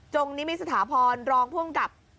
จงนี้มีสถาพรรณ์รองพ่วงกับ